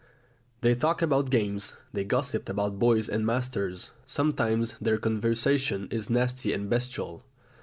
They talk about games, they gossip about boys and masters, sometimes their conversation is nasty and bestial.